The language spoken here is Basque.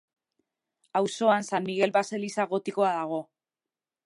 Auzoan, San Migel baseliza gotikoa dago.